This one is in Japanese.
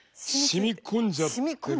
染み込んじゃってます。